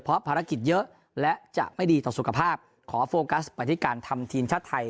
เพราะภารกิจเยอะและจะไม่ดีต่อสุขภาพขอโฟกัสไปที่การทำทีมชาติไทย